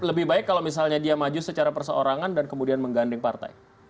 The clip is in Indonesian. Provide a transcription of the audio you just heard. lebih baik kalau misalnya dia maju secara perseorangan dan kemudian mengganding partai